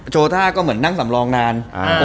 โจทักคนั่งสำรองนาน